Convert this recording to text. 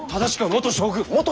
元将軍？